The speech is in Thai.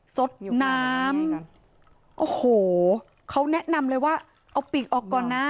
สดน้ำโอ้โหเขาแนะนำเลยว่าเอาปีกออกก่อนนะ